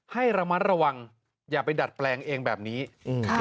ให้ระมัดระวังอย่าไปดัดแปลงเองแบบนี้อืมค่ะ